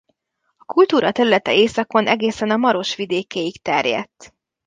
A kultúra területe északon egészen a Maros vidékéig terjedt.